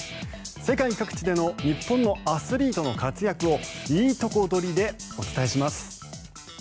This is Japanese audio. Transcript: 世界各地での日本のアスリートの活躍をいいとこ取りでお伝えします。